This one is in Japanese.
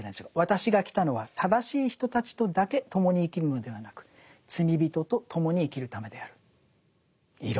「私が来たのは正しい人たちとだけ共に生きるのではなく罪人と共に生きるためである」。